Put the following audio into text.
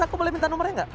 aku boleh minta nomernya gak